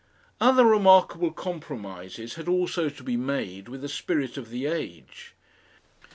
Other remarkable compromises had also to be made with the spirit of the age.